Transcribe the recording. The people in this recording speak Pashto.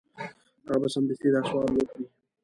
هغه به سمدستي دا سوال وکړي.